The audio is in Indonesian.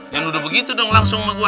jangan udah begitu dong langsung sama gua